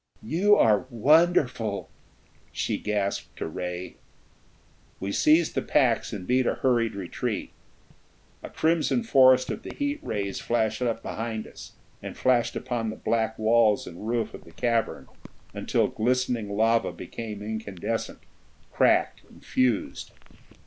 "You are wonderful!" she gasped to Ray. We seized the packs and beat a hurried retreat. A crimson forest of the heat rays flashed up behind us, and flamed upon the black walls and roof of the cavern until glistening lava became incandescent, cracked and fused.